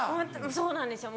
そうなんですよ